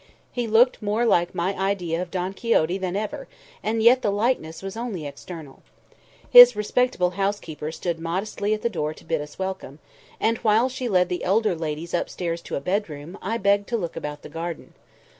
He looked more like my idea of Don Quixote than ever, and yet the likeness was only external. His respectable housekeeper stood modestly at the door to bid us welcome; and, while she led the elder ladies upstairs to a bedroom, I begged to look about the garden.